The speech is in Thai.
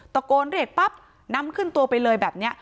ตะโกนเรียกปั๊บนำขึ้นตัวไปเลยแบบนี้